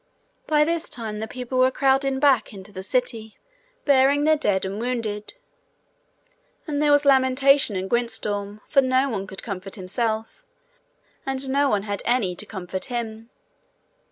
By this time the people were crowding back into the city, bearing their dead and wounded. And there was lamentation in Gwyntystorm, for no one could comfort himself, and no one had any to comfort him.